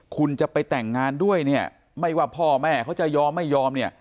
คุณจะไปแต่งงานด้วยเนี่ยไม่ว่าพ่อแม่เขาจะยอมไม่ยอมเนี่ย